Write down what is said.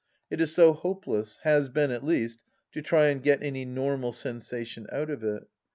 It is so hopeless — has been, at least — ^to try and get any normal sensation out of it.